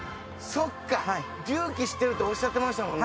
そっか隆起してるっておっしゃってましたもんね